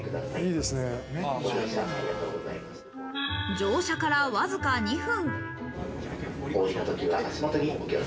乗車からわずか２分。